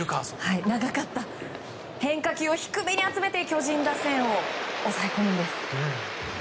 変化球を低めに集めて巨人打線を抑え込むんです。